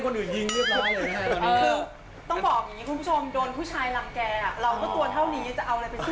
คือต้องบอกอย่างงี้คุณผู้ชมโดนผู้ชายลำแก่เราก็ตัวเท่านี้จะเอาอะไรไปช่วย